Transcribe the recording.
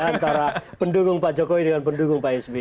antara pendukung pak jokowi dengan pendukung pak sby